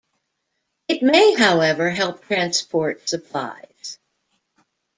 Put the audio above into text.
It may however help transport supplies.